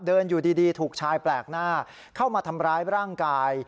อยู่ดีถูกชายแปลกหน้าเข้ามาทำร้ายร่างกาย